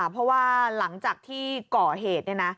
เพราะว่าหลังจากที่ก่อเหตุ